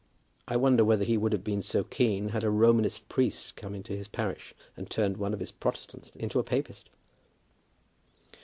I wonder whether he would have been so keen had a Romanist priest come into his parish, and turned one of his Protestants into a Papist?